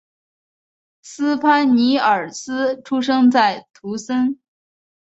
斯潘尼尔斯出生在图森。